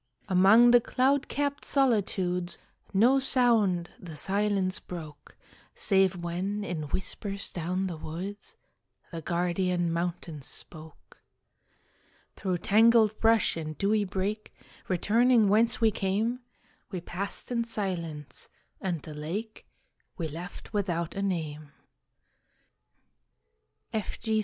Among the cloud capt solitudes, No sound the silence broke, Save when, in whispers down the woods, The guardian mountains spoke. Through tangled brush and dewy brake, Returning whence we came, We passed in silence, and the lake We left without a name. F. G.